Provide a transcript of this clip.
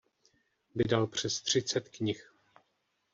Vydal přes třicet knih.